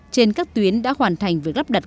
trên các tuyến đã hoàn thành việc lắp đặt